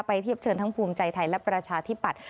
เทียบเชิญทั้งภูมิใจไทยและประชาธิปัตย